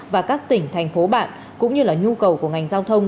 và các tỉnh thành phố bạn cũng như là nhu cầu của ngành giao thông